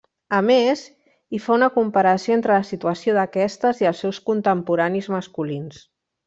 A més, hi fa una comparació entre la situació d'aquestes i els seus contemporanis masculins.